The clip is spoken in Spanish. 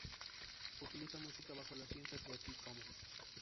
Utiliza música bajo la licencia Creative Commons.